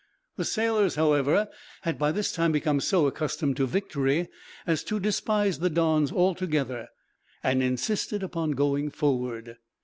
The sailors, however, had by this time become so accustomed to victory as to despise the Dons altogether, and insisted upon going forward.